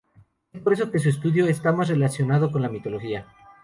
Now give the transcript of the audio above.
Es por esto que su estudio está más relacionado con la mitología.